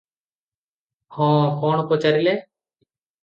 ହଁ-କଣ ପଚାରିଲେ?